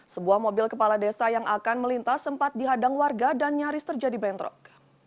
sebuah mobil kepala desa yang akan melintas sempat dihadang warga dan nyaris terjadi bentrok